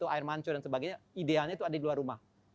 air mancur dan sebagainya idealnya itu ada di luar rumah